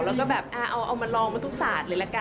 แล้วก็แบบเอามาลองมาทุกศาสตร์เลยละกัน